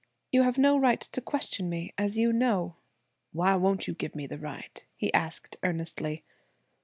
"You have no right to question me as you know." "Why won't you give me the right?" he asked earnestly.